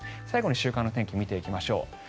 最後に週間の天気を見ていきましょう。